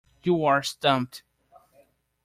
You are stumped.